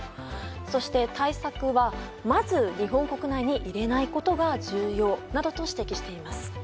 そして、対策はまず日本国内に入れないことが重要などと指摘しています。